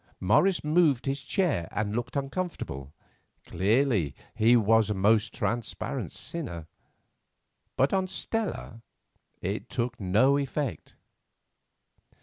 Morris moved his chair and looked uncomfortable; clearly he was a most transparent sinner. But on Stella it took no effect.